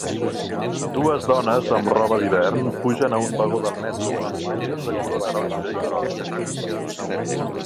Dues dones amb roba d'hivern pugen a un vagó del metro amb seients de color taronja i groc.